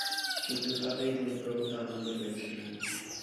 কিন্তু তাতেই তিনি প্রভূত আনন্দ পেয়েছিলেন।